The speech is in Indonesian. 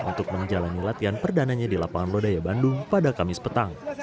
untuk menjalani latihan perdananya di lapangan lodaya bandung pada kamis petang